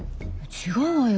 違うわよ